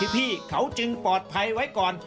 พี่เขาจึงปลอดภัยไว้ก่อน